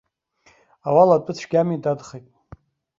Ауала атәы цәгьами, дадхеит.